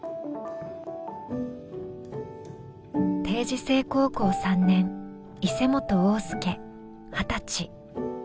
定時制高校３年伊勢本旺亮二十歳。